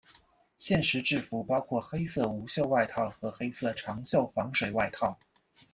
现时制服包括黑色无袖外套和黑色长袖防水外套。